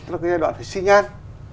là cái giai đoạn phải xin nhan